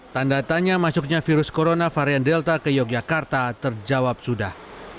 tanda tanya masuknya virus corona varian delta ke yogyakarta terjawab sudah